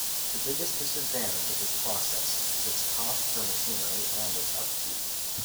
The biggest disadvantage of this process is its cost for machinery and its upkeep.